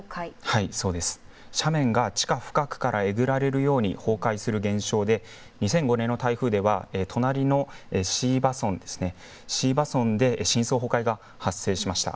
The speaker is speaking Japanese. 斜面が地下深くからえぐられるように崩壊する現象で２００５年の台風では隣の椎葉村で深層崩壊が発生しました。